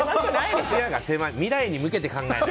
未来に向けて考えないと。